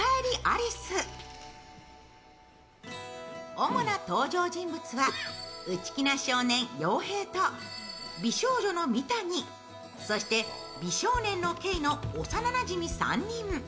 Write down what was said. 主な登場人物は内気な少年・洋平と美少女の三谷、そして美少年の慧の幼なじみ３人。